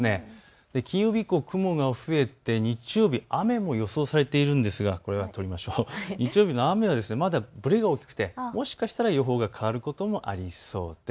金曜日以降、雲が増えて日曜日、雨も予想されているんですが日曜日の雨はぶれが大きくてもしかしたら予報が変わることもありそうです。